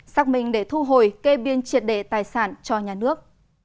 xác minh để thu hồi kê biên triệt đề tài sản cho nhà nước